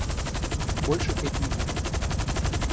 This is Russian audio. Больше петь не буду.